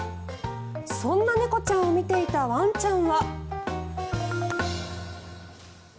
そんな猫ちゃんを見ていたワンちゃんは。